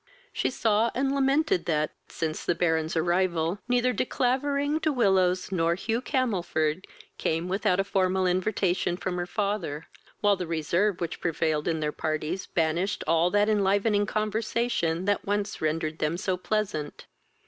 She saw and lamented that, since the Baron's arrival, neither De Clavering, De Willows, nor Hugh Camelford, came without a formal invitation from her father, while the reserve which prevailed in their parties banished all that enlivening conversation that once rendered them so pleasant.